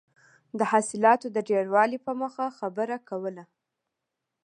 د حاصلاتو د ډېروالي په موخه خبره کوله.